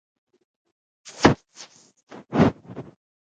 دا غړي سترګې، پوستکی، پزه، غوږ او ژبه دي.